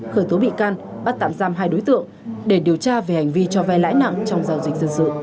khởi tố bị can bắt tạm giam hai đối tượng để điều tra về hành vi cho vai lãi nặng trong giao dịch dân sự